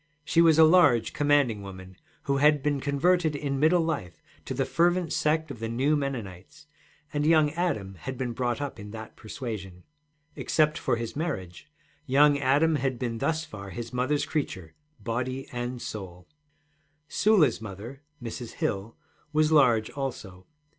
She was a large, commanding woman, who had been converted in middle life to the fervent sect of the new Mennonites, and young Adam had been brought up in that persuasion. Except for his marriage, young Adam had been thus far his mother's creature, body and soul. Sula's mother, Mrs. Hill, was large also.